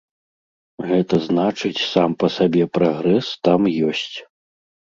Гэта значыць сам па сабе прагрэс там ёсць.